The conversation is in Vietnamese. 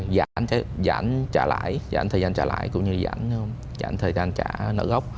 giãn trả lãi giãn thời gian trả lãi cũng như giãn thời gian trả nợ gốc